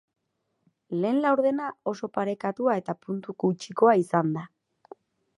Lehen laurdena oso parekatua eta puntu gutxikoa izan da.